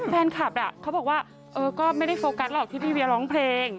แฟนคลับเขาบอกว่าเออก็ไม่ได้โฟกัสหรอกที่พี่เวียร้องเพลง